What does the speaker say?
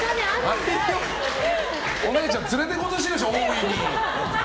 お姉ちゃん、連れていこうとしてるでしょ大井に。